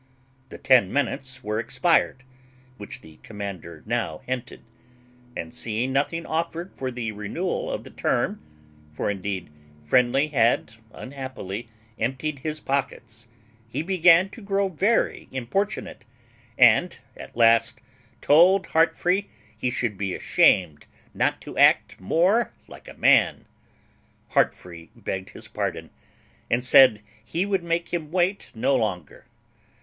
The ten minutes were expired, which the commander now hinted; and seeing nothing offered for the renewal of the term (for indeed Friendly had unhappily emptied his pockets), he began to grow very importunate, and at last told Heartfree he should be ashamed not to act more like a man. Heartfree begged his pardon, and said he would make him wait no longer.